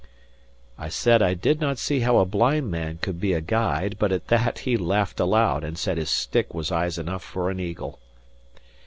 I said I did not see how a blind man could be a guide; but at that he laughed aloud, and said his stick was eyes enough for an eagle.